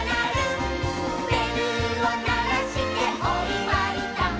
「べるをならしておいわいだ」